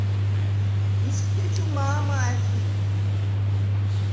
ისგთეჩუ მა̄მა ა̈თჰი̄დ.